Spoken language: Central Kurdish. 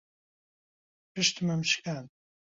پشتمم شکاند.